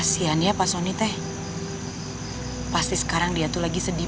siap pasani teh pasti sekarang dia tuh lagi sedih